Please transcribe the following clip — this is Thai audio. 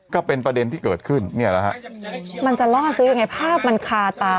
ก็เป็นประเด็นที่เกิดขึ้นเนี่ยแหละฮะมันจะล่อซื้อยังไงภาพมันคาตา